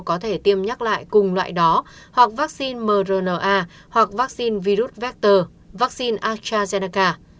có thể tiêm nhắc lại cùng loại đó hoặc vaccine mrna hoặc vaccine viroxel vaccine astrazeneca